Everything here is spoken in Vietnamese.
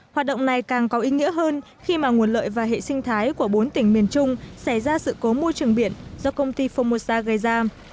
hoạt động này càng có ý nghĩa hơn khi mà nguồn lợi và hệ sinh thái của bốn tỉnh miền trung xảy ra sự cố môi trường biển do công ty formosa gây ra